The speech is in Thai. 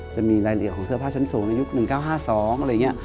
จะมีรายละเอียดของเสื้อผ้าชั้นสูงในยุค๑๙๕๒อะไรอย่างนี้